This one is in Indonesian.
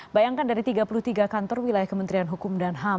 bayangkan dari tiga puluh tiga kantor wilayah kementerian hukum dan ham